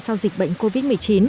sau dịch bệnh covid một mươi chín